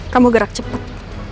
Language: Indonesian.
kamu gerak cepet